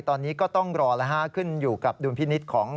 ตอนนี้ก็ต้องรอแล้วขึ้นอยู่กับดุลพินิษฐ์ของ